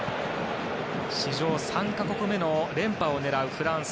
史上３か国目の連覇を狙うフランス。